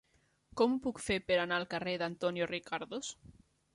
Com ho puc fer per anar al carrer d'Antonio Ricardos?